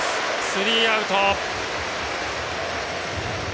スリーアウト。